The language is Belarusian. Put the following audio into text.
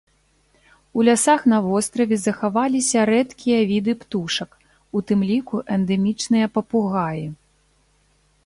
У лясах на востраве захаваліся рэдкія віды птушак, у тым ліку эндэмічныя папугаі.